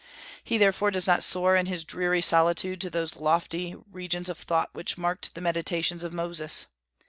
He therefore does not soar in his dreary solitude to those lofty regions of thought which marked the meditations of Moses.